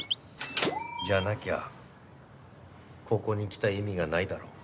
じゃなきゃここに来た意味がないだろう。